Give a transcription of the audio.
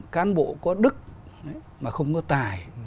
cán bộ có đức mà không có tài